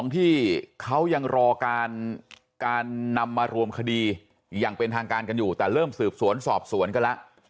ที่เขายังรอการนำมารวมคดีอย่างเป็นทางการกันอยู่แต่เริ่มสืบสวนสอบสวนกันแล้ว